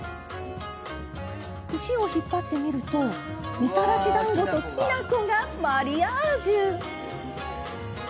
串を引っ張ってみるとみたらしだんごときな粉がマリアージュ。